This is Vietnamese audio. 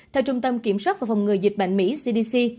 theo trung tâm kiểm soát và phòng ngừa dịch bệnh mỹ cdc